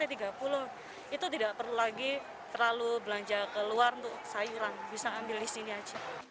itu tidak perlu lagi terlalu belanja keluar untuk sayuran bisa ambil di sini aja